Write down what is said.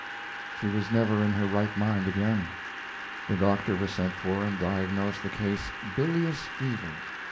She was never in her right mind again. The doctor was sent for and diagnosed the case "bilious fever."